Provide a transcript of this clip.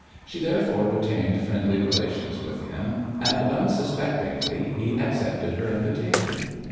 She therefore retained friendly relations with him and unsuspectingly he accepted her invitation.